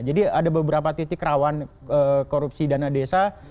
jadi ada beberapa titik rawan korupsi dana desa